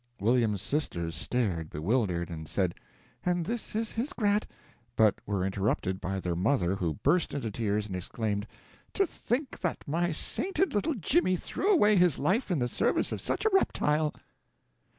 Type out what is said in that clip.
William's sisters stared, bewildered, and said, "And this is his grat " but were interrupted by their mother, who burst into tears and exclaimed, "To think that my sainted little Jimmy threw away his life in the service of such a reptile!"